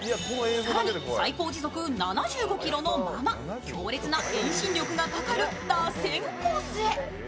更に、最高時速７５キロのまま強烈な遠心力がかかるらせんコースへ。